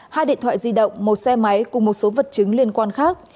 hai điện thoại di động một xe máy cùng một số vật chứng liên quan khác